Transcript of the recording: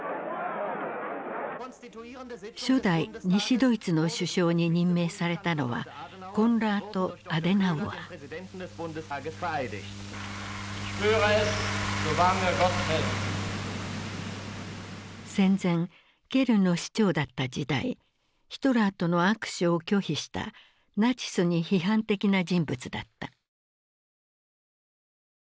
初代西ドイツの首相に任命されたのは戦前ケルンの市長だった時代ヒトラーとの握手を拒否したナチスに批判的な人物だった。